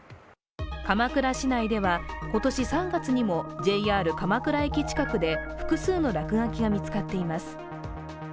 鎌倉市内では今年３月にもＪＲ鎌倉駅近くで複数の落書きが見つかっています。